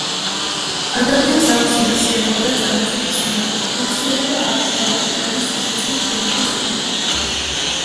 ადამიანს აქვს მეხსიერება და წარმოსახვის უნარი, მეხსიერება არის შთაბეჭდილების სიცოცხლის შენახვის უნარი.